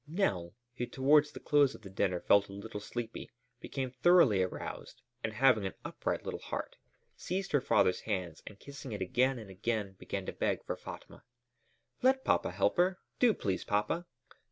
Nell, who towards the close of the dinner felt a little sleepy, became thoroughly aroused and, having an upright little heart, seized her father's hand, and kissing it again and again, began to beg for Fatma. "Let papa help her! Do please, papa!"